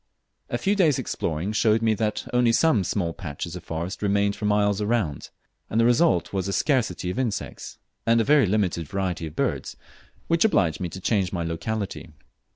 A few days' exploring showed me that only some small patches of forest remained for miles wound, and the result was a scarcity of insects and a very limited variety of birds, which obliged me to change my locality.